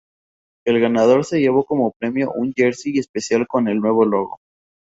El ganador se llevó como premio un jersey especial con el nuevo logo.